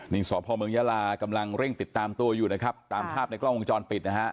นี่สพเมืองยาลากำลังเร่งติดตามตัวอยู่นะครับตามภาพในกล้องวงจรปิดนะฮะ